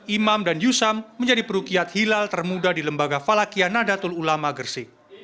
imam dan yusam menjadi perukiat hilal termuda di lembaga falakiyah nadatul ulama gersik